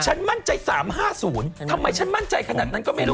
ฉันมั่นใจ๓๕๐ทำไมฉันมั่นใจขนาดนั้นก็ไม่รู้